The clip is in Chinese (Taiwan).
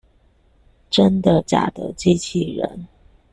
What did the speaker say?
真的假的機器人